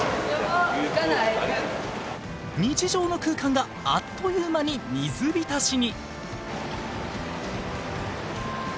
日常の空間があっという間に水浸しに！